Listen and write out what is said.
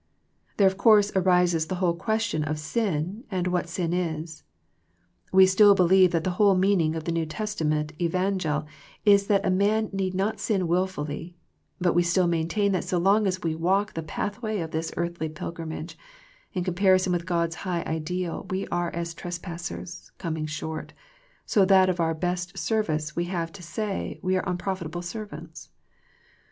There of course arises the whole question of sin and of what sin is. We still believe that the whole meaning of the 'New Testament evangel is that a man need not sin willfully, but we still maintain that so long as we walk the pathway of the earthly pilgrimage, in comparison with God's high ideal we are as tres passers, coming short, so that of our best service we have to say " we are unprofitable servants."